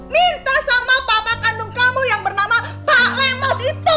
minta sama papa kandung kamu yang bernama pak lemos itu